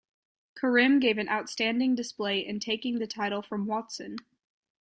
Karim gave an outstanding display in taking the title from Watson.